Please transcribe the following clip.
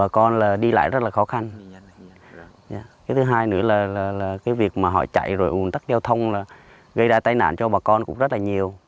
cái việc mà họ chạy rồi ủng tắc giao thông là gây ra tai nạn cho bà con cũng rất là nhiều